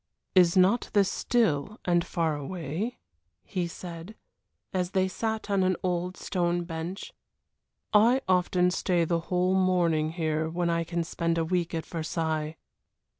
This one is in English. "Is not this still and far away?" he said, as they sat on an old stone bench. "I often stay the whole morning here when I spend a week at Versailles."